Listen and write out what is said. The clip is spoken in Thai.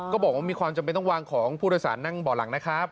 บอกว่ามีความจำเป็นต้องวางของผู้โดยสารนั่งบ่อหลังนะครับ